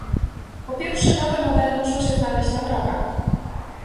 Po pierwsze, nowe modele muszą się znaleźć na drogach